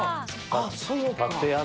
あっ！